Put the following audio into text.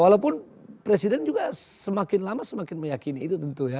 walaupun presiden juga semakin lama semakin meyakini itu tentu ya